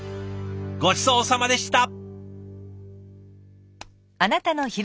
ごちそうさまでした。